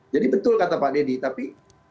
jadi betul kata pak deddy tapi